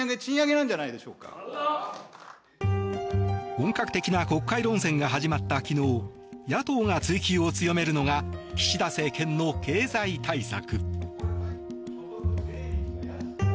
本格的な国会論戦が始まった昨日野党が追及を強めるのが岸田政権の経済対策。